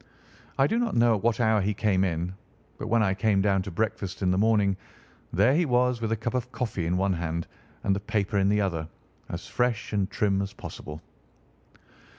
I do not know at what hour he came in, but when I came down to breakfast in the morning there he was with a cup of coffee in one hand and the paper in the other, as fresh and trim as possible.